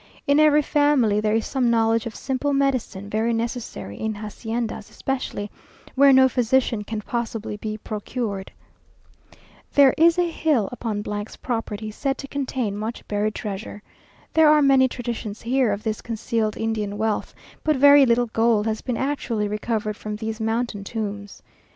In every family there is some knowledge of simple medicine, very necessary, in haciendas especially, where no physician can possibly be procured. There is a hill upon 's property, said to contain much buried treasure. There are many traditions here of this concealed Indian wealth, but very little gold has been actually recovered from these mountain tombs.